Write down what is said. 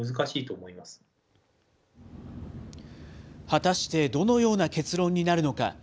果たしてどのような結論になるのか。